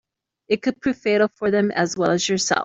It could prove fatal for them as well as yourself.